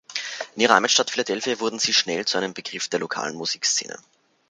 In ihrer Heimatstadt Philadelphia wurden sie schnell zu einem Begriff der lokalen Musikszene.